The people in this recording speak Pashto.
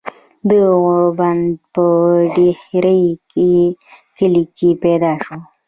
د غوربند پۀ ډهيرۍ کلي کښې پيدا شو ۔